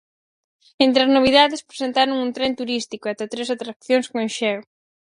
Entre as novidades presentaron un tren turístico e ata tres atraccións con xeo.